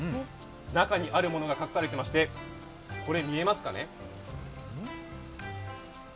中にあるものが隠されていましてこれ、見えますかね？